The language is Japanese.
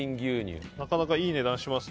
なかなかいい値段します。